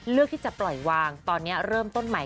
เลือกที่จะปล่อยวางตอนนี้เริ่มต้นใหม่